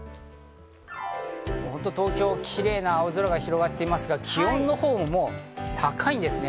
東京、キレイな青空が広がっていますが、気温のほうも高いんですね。